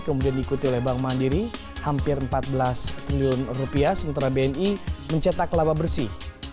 kemudian diikuti oleh bank mandiri hampir empat belas triliun rupiah sementara bni mencetak laba bersih